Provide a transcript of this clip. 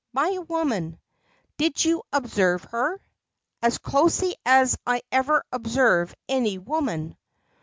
"By a woman." "Did you observe her?" "As closely as I ever observe any woman."